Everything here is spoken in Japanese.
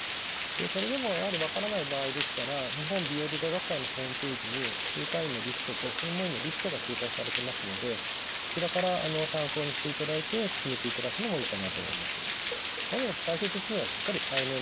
でそれでもやはり分からない場合でしたら日本美容外科学会のホームページに正会員のリストと専門医のリストが掲載されてますのでそちらから参考にしていただいて決めていただくのもいいかなと思います。